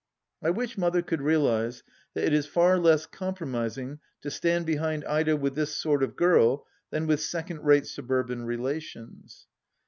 I wish Mother could realize that it is far less compromising to stand behind Ida with this sort of girl than with second rate suburban relations